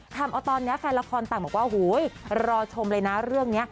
ทำเอาตอนนี้แฟนละครต่างบอกว่าโหยรอชมเลยนะเรื่องนี้